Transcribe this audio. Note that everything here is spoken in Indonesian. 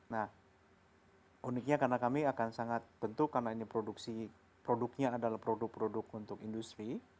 nah uniknya karena kami akan sangat tentu karena ini produksi produknya adalah produk produk untuk industri